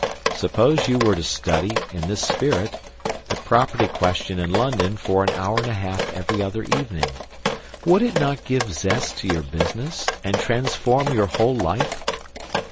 Suppose you were to study, in this spirit, the property question in London for an hour and a half every other evening. Would it not give zest to your business, and transform your whole life?